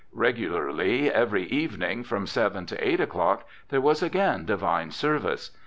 Regularly every evening, from seven to eight o'clock, there was again divine service.